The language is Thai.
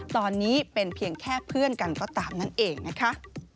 ตอนนี้เป็นเพียงแค่เพื่อนกันก็ตามนั่นเองนะคะ